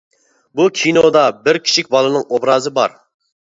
بۇ كىنودا بىر كىچىك بالىنىڭ ئوبرازى بار.